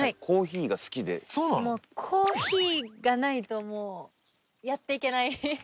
もうコーヒーがないとやっていけない。